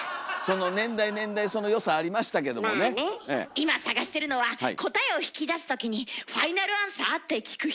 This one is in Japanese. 今探してるのは答えを引き出す時に「ファイナルアンサー？」って聞く人。